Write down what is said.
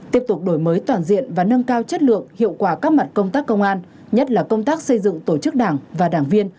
tiếp tục đổi mới toàn diện và nâng cao chất lượng hiệu quả các mặt công tác công an nhất là công tác xây dựng tổ chức đảng và đảng viên